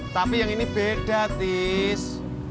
tapi yang ini beda tis